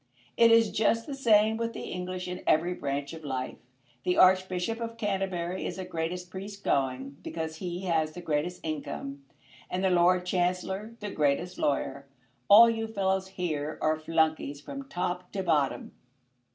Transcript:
It is just the same with the English in every branch of life. The Archbishop of Canterbury is the greatest priest going, because he has the greatest income, and the Lord Chancellor the greatest lawyer. All you fellows here are flunkies from top to bottom."